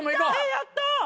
やった！